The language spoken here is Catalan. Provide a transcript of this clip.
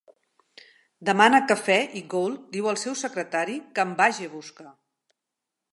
Demana cafè i Gould diu al seu secretari que en vagi a buscar.